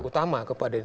utama kepada ini